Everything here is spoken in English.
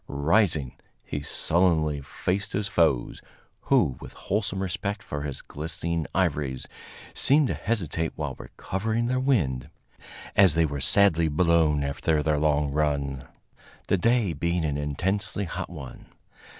Rising, he sullenly faced his foes, who, with wholesome respect for his glistening ivories, seemed to hesitate while recovering their wind, as they were sadly blown after their long run, the day being an intensely hot one.